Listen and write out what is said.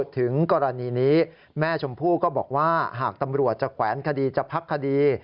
ถึงกรณีนี้แม่ชมพู่ก็บอกว่าหากตำรวจจะแขวนคดีจะพักคดี